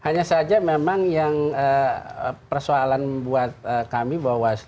hanya saja memang yang persoalan buat kami bahwa